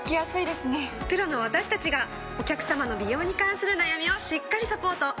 プロの私たちがお客さまの美容に関する悩みをしっかりサポート。